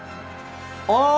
ああ！